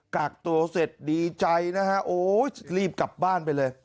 กักตัวเสร็จดีใจนะฮะโอ้ยรีบกลับบ้านไปเลย